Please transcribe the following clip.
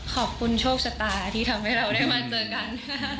ขอบคุณโชคชะตาที่ทำให้เราได้มาเจอกัน